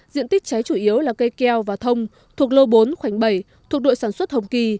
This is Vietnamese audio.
diện tích cháy chủ yếu là cây keo và thông thuộc lô bốn khoảnh bảy thuộc đội sản xuất hồng kỳ